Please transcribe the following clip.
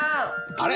あれ？